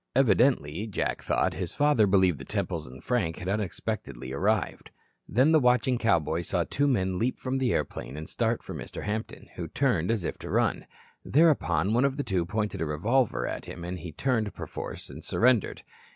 Evidently, Jack thought, his father believed the Temples and Frank had unexpectedly arrived. Then the watching cowboy saw two men leap from the airplane and start for Mr. Hampton, who turned as if to run. Thereupon, one of the two pointed a revolver at him and he turned, perforce, and surrendered.